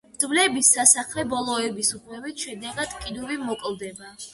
ძვლების სასახსრე ბოლოების რღვევის შედეგად, კიდური მოკლდება.